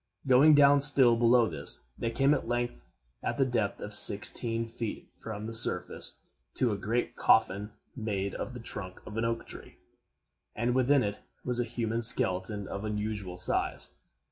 Going down still below this, they came at length, at the depth of sixteen feet from the surface, to a great coffin, made of the trunk of an oak tree, and within it was a human skeleton of unusual size.